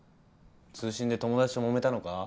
通信で友達ともめたのか？